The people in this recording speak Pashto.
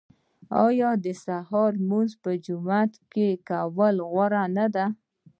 آیا د سهار لمونځ په جومات کې کول غوره نه دي؟